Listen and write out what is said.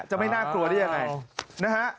ไม่น่ากลัวได้ยังไงนะฮะ